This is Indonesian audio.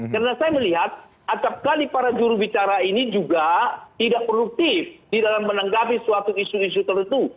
karena saya melihat atapkali para jurubicara ini juga tidak produktif di dalam menanggapi suatu isu isu tertentu